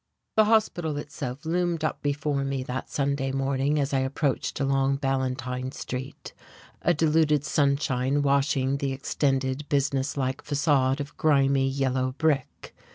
The hospital itself loomed up before me that Sunday morning as I approached it along Ballantyne Street, a diluted sunshine washing the extended, businesslike facade of grimy, yellow brick.